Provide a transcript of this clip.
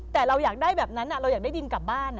แต่เราอยากได้แบบนั้นเราอยากได้ดินกลับบ้าน